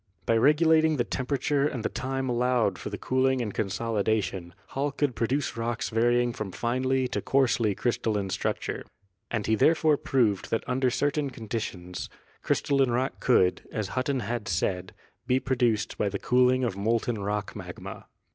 By regulating the temperature and the time allowed for the cooling and consolidation, Hall could produce rocks varying from finely to coarsely crystalline structure. And he therefore proved that under certain conditions crystalline rock could, as Hutton had said, be produced by the cooling of molten rock magma.